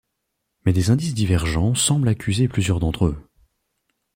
Mais des indices divergents semblent accuser plusieurs d'entre eux.